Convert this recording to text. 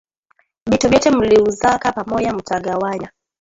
Bitu byote muliuzaka pamoya muta gawanya